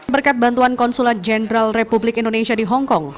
berkat bantuan konsulat jenderal republik indonesia di hongkong